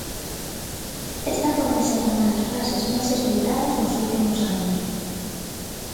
Esta pode ser unha das frases máis escoitadas nos últimos anos.